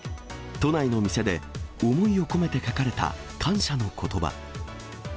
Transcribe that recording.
都内の店で、思いを込めて書かれた感謝のことば。